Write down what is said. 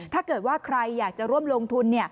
ถ้าเกิดว่าใครอยากจะร่วมลงทุน